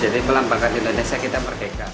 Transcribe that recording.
jadi pelan pelan indonesia kita merdeka